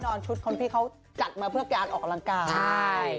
แน่นอนชุดคุณพี่เขาจัดมาเพื่อการออกกำลังกาย